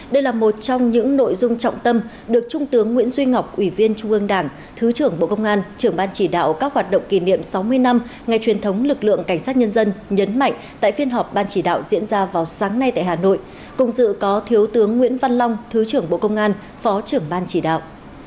đây là một trong những nội dung trọng tâm được trung tướng nguyễn duy ngọc ủy viên trung ương đảng thứ trưởng bộ công an trưởng ban chỉ đạo các hoạt động kỷ niệm sáu mươi năm ngày truyền thống lực lượng cảnh sát nhân dân nhấn mạnh tại phiên họp ban chỉ đạo diễn ra vào sáng nay tại hà nội cùng dự có thiếu tướng nguyễn văn long thứ trưởng bộ công an phó trưởng ban chỉ đạo